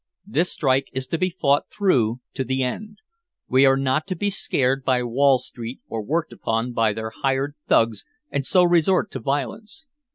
This strike is to be fought through to the end. We are not to be scared by Wall Street or worked upon by their hired thugs and so resort to violence.